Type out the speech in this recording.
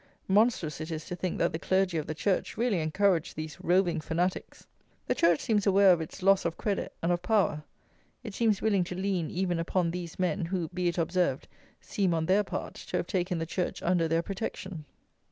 Monstrous it is to think that the Clergy of the Church really encourage these roving fanatics. The Church seems aware of its loss of credit and of power. It seems willing to lean even upon these men; who, be it observed, seem, on their part, to have taken the Church under their protection.